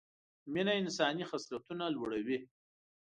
مینه انساني خصلتونه لوړه وي